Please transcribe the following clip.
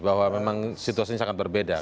bahwa memang situasi ini sangat berbeda